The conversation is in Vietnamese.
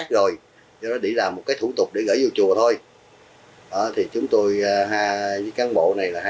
rồi cho nó đi làm một cái thủ tục để gửi vô chùa thôi thì chúng tôi ha với cán bộ này là hai